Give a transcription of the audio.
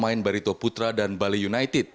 pemain barito putra dan bali united